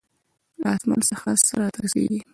له آسمان څخه څه راته رسېږي.